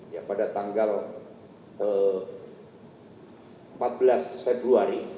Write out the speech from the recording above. ya pada tanggal empat belas februari